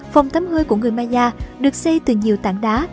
phòng tắm hơi của người maya được xây từ nhiều tảng đá